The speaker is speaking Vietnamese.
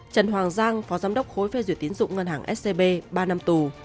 trần hoàng giang phó giám đốc khối phê duyệt tiến dụng ngân hàng scb ba năm tù